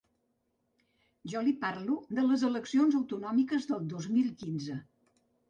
Jo li parlo de les eleccions autonòmiques del dos mil quinze.